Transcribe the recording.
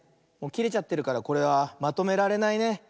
きれちゃってるからこれはまとめられないね。